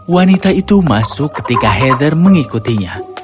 wanita itu masuk ketika heather mengikutinya